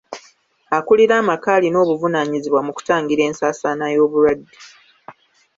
Akulira amaka alina obuvunaanyizibwa mu kutangira ensaasaana y'obulwadde.